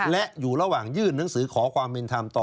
และอยู่ระหว่างยื่นหนังสือขอความเป็นธรรมต่อ